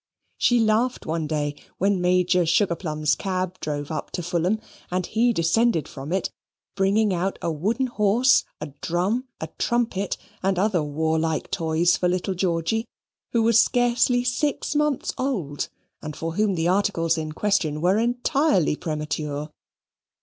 She laughed one day when Major Sugarplums' cab drove up to Fulham, and he descended from it, bringing out a wooden horse, a drum, a trumpet, and other warlike toys, for little Georgy, who was scarcely six months old, and for whom the articles in question were entirely premature.